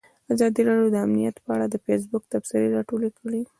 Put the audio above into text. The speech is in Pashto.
ازادي راډیو د امنیت په اړه د فیسبوک تبصرې راټولې کړي.